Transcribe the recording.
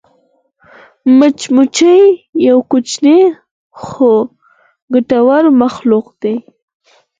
مچمچۍ یو کوچنی خو ګټور مخلوق دی